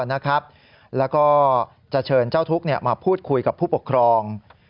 แล้วก็จะเชิญเจ้าทุกข์มาพูดคุยกับผู้ปกครอง